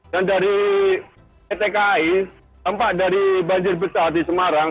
dan dari pt kai tempat dari banjir besar di semarang